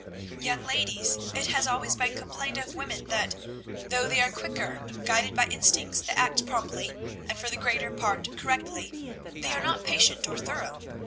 "Young ladies, it has always been complained of women that, though they are quicker, guided by instincts that act promptly and for the greater part correctly, they are not patient or thorough.